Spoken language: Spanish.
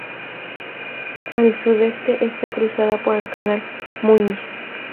Al sudeste está cruzada por el canal Muñiz.